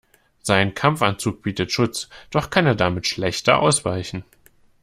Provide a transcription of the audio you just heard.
Sein Kampfanzug bietet Schutz, doch kann er damit schlechter ausweichen.